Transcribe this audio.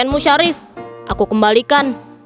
tidak bu syarif aku kembalikan